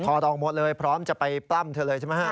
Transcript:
ดองหมดเลยพร้อมจะไปปล้ำเธอเลยใช่ไหมฮะ